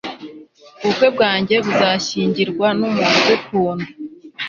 ubukwe bwanjye buzashyingirwa numuntu ugukunda